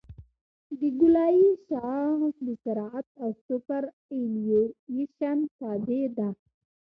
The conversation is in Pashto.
د ګولایي شعاع د سرعت او سوپرایلیویشن تابع ده